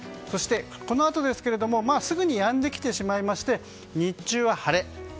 そして、このあとですがすぐにやんできてしまいまして日中は晴れ。